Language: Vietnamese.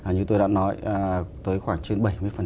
như tôi đã nói tới khoảng trên bảy mươi